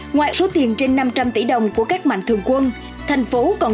ngoài số tiền trên năm trăm linh tỷ đồng của các mạnh thường quân